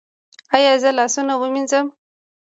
ایا زه لاسونه ووینځم؟